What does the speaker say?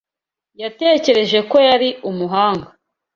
Yatekereje ko yari umuhanga.